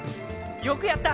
よくやった。